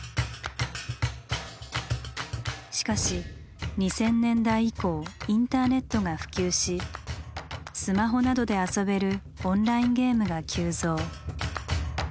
しかし２０００年代以降インターネットが普及しスマホなどで遊べるオンラインゲームが急増。